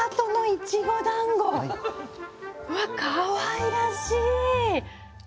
わっかわいらしい！